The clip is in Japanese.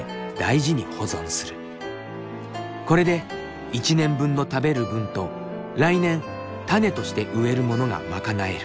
これで一年分の食べる分と来年種として植えるものが賄える。